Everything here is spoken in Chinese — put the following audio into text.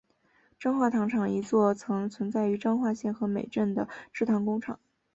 彰化糖厂一座曾存在于彰化县和美镇的制糖工厂。